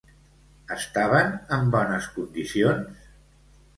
Estaven en bones condicions?